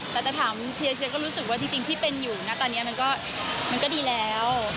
แต่จะถามเชียร์เชียร์ก็รู้สึกว่าจริงที่เป็นอยู่นะตอนนี้มันก็ดีแล้ว